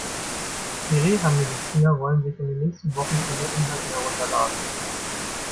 Die Reha-Mediziner wollen sich in den nächsten Wochen ihre Inhalte herunterladen.